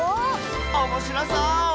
おもしろそう！